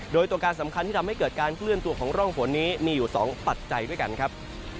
โดยตัวการสำคัญที่ทำให้เกิดการเคลื่อนตัวของร่องฝนนี้มีอยู่๒ปัจจัยด้วยกันครับ